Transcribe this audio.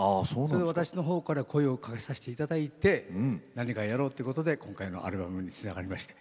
私のほうから声をかけさせていただいて何かやろうということで、今回のアルバムにつながりました。